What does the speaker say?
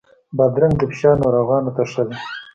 بادرنګ د فشار ناروغانو ته ښه دی.